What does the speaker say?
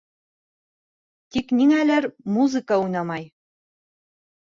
Тик ниңәлер музыка уйнамай.